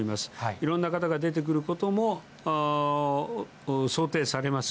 いろんな方が出てくることも想定されます。